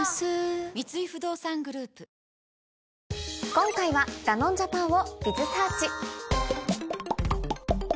今回はダノンジャパンを。